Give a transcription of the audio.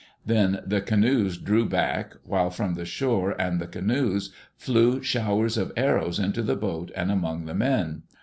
Then the canoes drew back, while from the shore and the canoes flew showers of arrows into the boat and among the men.